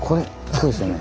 そうですね。